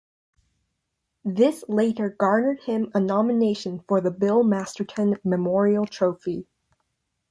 This later garnered him a nomination for the Bill Masterton Memorial Trophy.